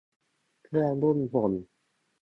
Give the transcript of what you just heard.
เครื่องนุ่งห่ม